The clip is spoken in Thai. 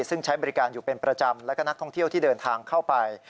ซึ่งใช้บริการอยู่เป็นประจำแล้วก็นักท่องเที่ยวที่เดินทางเข้าไป